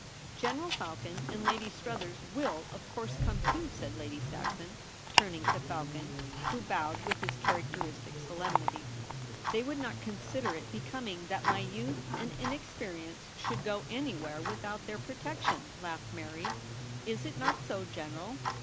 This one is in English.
* General Falcon and Lady Struthers will, of course, come too,' said Lady Saxon, turning to Falcon, who bowled with his characteristic solemnity. ' They would not consider it becoming that my youth and inexperience should go any MARTS RECEPTION. 265 where without their protection,' laughed Mary. * Is it not so, General